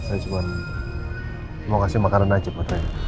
saya cuma mau kasih makanan aja katanya